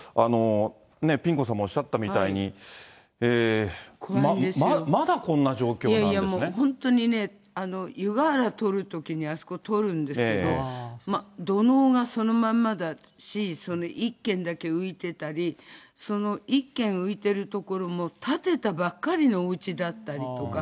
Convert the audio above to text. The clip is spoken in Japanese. ピン子さんもおっしゃったみたいに、いやいやもう、本当にね、湯河原通るときにあそこ通るんですけど、土のうがそのまんまだし、１軒だけ浮いてたり、その１軒浮いてる所も建てたばっかりのおうちだったりとか。